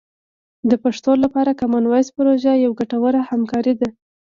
د پښتو لپاره کامن وایس پروژه یوه ګټوره همکاري ده.